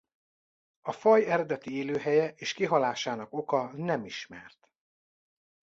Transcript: A faj eredeti élőhelye és kihalásának oka nem ismert.